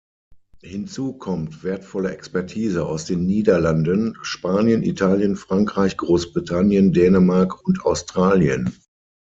Hinzu kommt wertvolle Expertise aus den Niederlanden, Spanien, Italien, Frankreich, Großbritannien, Dänemark und Australien.